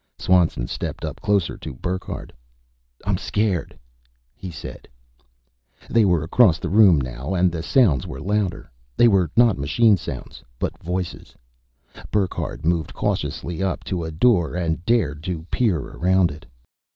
Swanson stepped up closer to Burckhardt. "I'm scared," he said. They were across the room now and the sounds were louder. They were not machine sounds, but voices; Burckhardt moved cautiously up to a door and dared to peer around it.